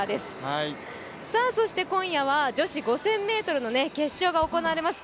今夜は女子５０００ｍの決勝が行われます。